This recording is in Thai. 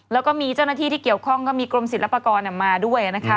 แล้วก็มีเจ้าหน้าที่ที่เกี่ยวข้องก็มีกรมศิลปากรมาด้วยนะคะ